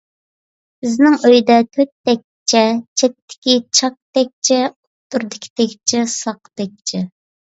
بىزنىڭ ئۆيدە تۆت تەكچە، چەتتىكى چاك تەكچە، ئوتتۇرىدىكى تەكچە ساق تەكچە.